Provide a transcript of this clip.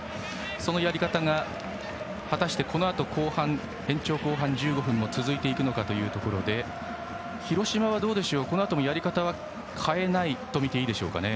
そのやり方が果たしてこのあと延長後半１５分も続いていくのかというところでどうでしょう、広島はこのあともやり方は変えないとみていいでしょうか。